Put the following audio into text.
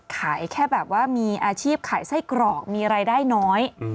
ขายแค่แบบว่ามีอาชีพขายไส้กรอกมีรายได้น้อย